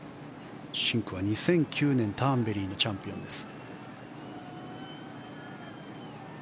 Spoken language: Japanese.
シンクは２００９年、ターンベリーのチャンピオンです。